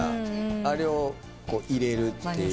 あれを入れるっていう。